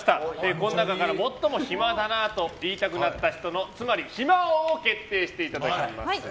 この中から最も暇だなと言いたくなったつまり、暇王を決定していただきます。